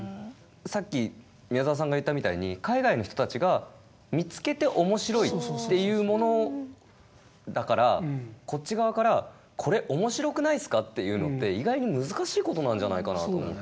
さっき宮沢さんが言ったみたいに海外の人たちが見つけて「面白い」と言うものだからこっち側から「これ面白くないですか？」と言うのって意外に難しい事なんじゃないかなと思って。